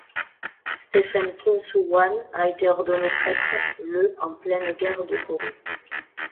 Stephen Kim Sou-hwan a été ordonné prêtre le en pleine guerre de Corée.